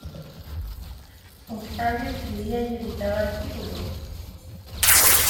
Octavio escribía y editaba artículos.